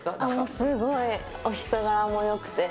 すごい、お人柄もよくて。